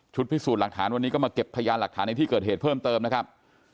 พิสูจน์หลักฐานวันนี้ก็มาเก็บพยานหลักฐานในที่เกิดเหตุเพิ่มเติมนะครับ